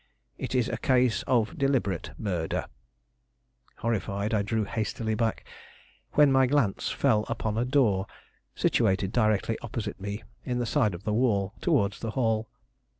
It is a case of deliberate murder." Horrified, I drew hastily back, when my glance fell upon a door situated directly opposite me in the side of the wall towards the hall.